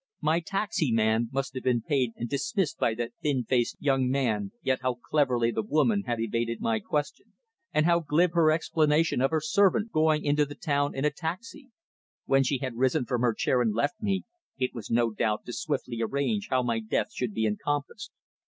My taxi man must have been paid and dismissed by that thin faced young man, yet how cleverly the woman had evaded my question, and how glib her explanation of her servant going into the town in a taxi. When she had risen from her chair and left me, it was, no doubt, to swiftly arrange how my death should be encompassed.